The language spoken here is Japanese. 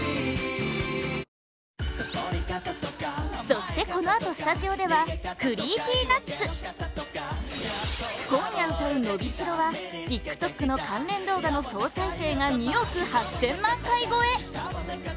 「Ｌｏｖｅｓｏｓｗｅｅｔ」そして、このあとスタジオではＣｒｅｅｐｙＮｕｔｓ今夜歌う「のびしろ」はＴｉｋＴｏｋの関連動画の総再生が２億８０００万回超え